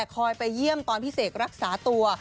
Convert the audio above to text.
ไปเยี่ยมตอนพี่เสกรักษาตัว